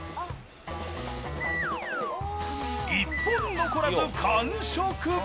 一本残らず完食。